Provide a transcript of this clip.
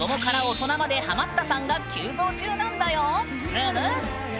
ぬぬっ！